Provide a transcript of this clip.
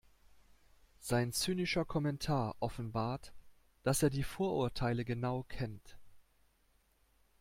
Sein zynischer Kommentar offenbart, dass er die Vorurteile genau kennt.